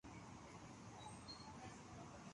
Esta tendencia continuó durante diez años.